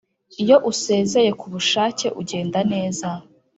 iyo usezeye ku bushake ugenda neza